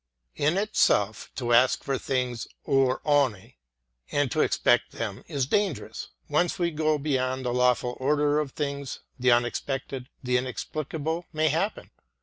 In itself, to ask for things "over aevne and to expect them is dangerous. Once we go beyond the lawful order of things, the unexpected, the inexplicable may happen.